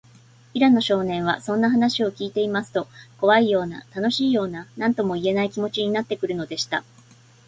平野少年は、そんな話をきいていますと、こわいような、たのしいような、なんともいえない、気もちになってくるのでした。